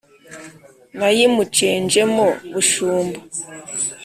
nayimucenjemo bushumba